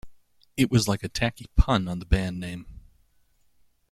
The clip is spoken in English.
It was like a tacky pun on the band name.